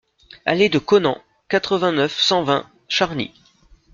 Allée de Konen, quatre-vingt-neuf, cent vingt Charny